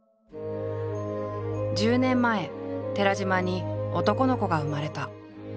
１０年前寺島に男の子が生まれた。